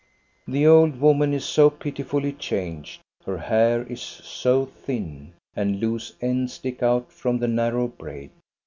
The old woman is so pitifully changed, her hair is so thin, and loose ends stick out from the narrow braid.